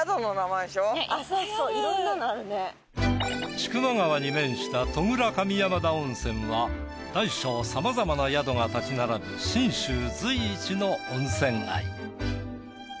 千曲川に面した戸倉上山田温泉は大小さまざまな宿が建ち並ぶ信州随一の温泉街。